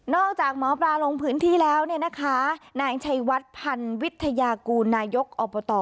จากหมอปลาลงพื้นที่แล้วเนี่ยนะคะนายชัยวัดพันวิทยากูลนายกอบต